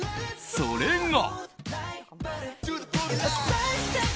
それが。